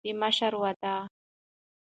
د مشر وعده